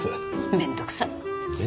面倒くさい？